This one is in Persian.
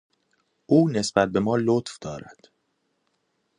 او نسبت بما لطف دارد.